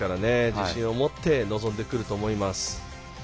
自信を持って臨んでくると思います。